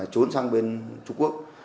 trốn sang bên trung quốc